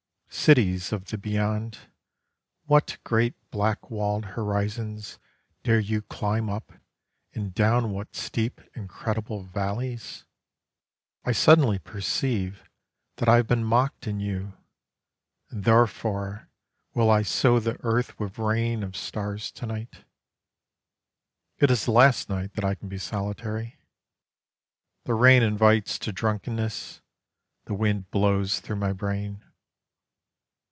Cities of the beyond, what great black walled horizons Dare you climb up, and down what steep incredible valleys? I suddenly perceive that I have been mocked in you, And therefore will I sow the earth with rain of stars to night. It is the last night that I can be solitary; The rain invites to drunkenness: the wind blows through my brain.